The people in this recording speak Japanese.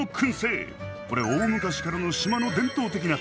これ大昔からの島の伝統的な食べ方。